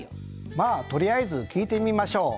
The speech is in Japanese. まあとりあえず聞いてみましょう。